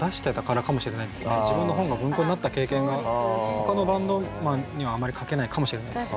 ほかのバンドマンにはあまり書けないかもしれないです。